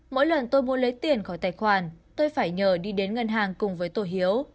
mỗi lần tôi muốn lấy tiền khỏi tài khoản tôi phải nhờ đi đến ngân hàng cùng với tôi hiếu